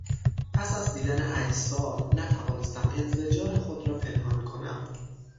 پس از دیدن اجساد نتوانستم انزجار خود را پنهان کنم.